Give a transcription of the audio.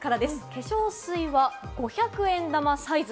化粧水は５００円玉サイズ。